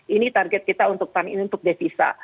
ini target kita untuk tahun ini untuk devisa